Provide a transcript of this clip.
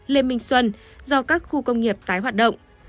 lê minh xuân do các khu công nghiệp tái hoạt động